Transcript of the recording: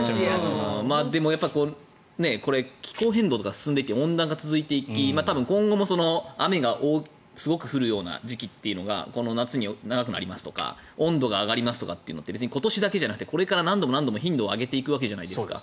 でも、これ気候変動とか進んできて温暖化が続いていき今後も雨がすごく降るような時期というのがこの夏に長くなりますとか温度が上がりますとかって別に今年だけじゃなくてこれから何度も何度も頻度を上げていくわけじゃないですか。